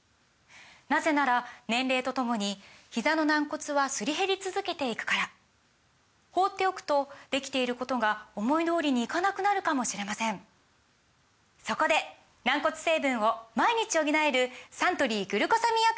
なぜなら年齢とともにひざの軟骨はすり減り続けていくから放っておくとできていることが思い通りにいかなくなるかもしれませんそこで軟骨成分を毎日補えるサントリー「グルコサミンアクティブ」！